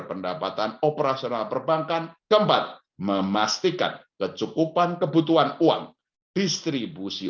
pendapatan operasional perbankan keempat memastikan kecukupan kebutuhan uang distribusi